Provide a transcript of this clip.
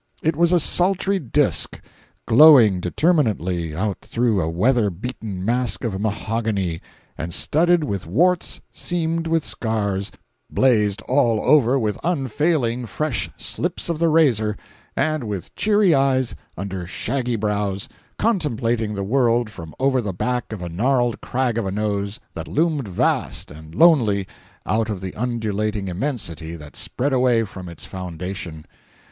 It was a sultry disk, glowing determinedly out through a weather beaten mask of mahogany, and studded with warts, seamed with scars, "blazed" all over with unfailing fresh slips of the razor; and with cheery eyes, under shaggy brows, contemplating the world from over the back of a gnarled crag of a nose that loomed vast and lonely out of the undulating immensity that spread away from its foundations.